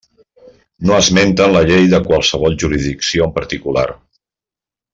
No esmenten la llei de qualsevol jurisdicció en particular.